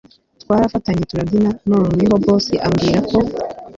twarafatanye turabyina noneho boss ambwira ko